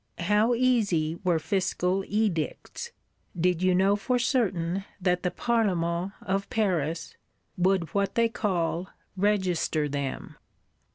How easy were fiscal Edicts, did you know for certain that the Parlement of Paris would what they call "register" them!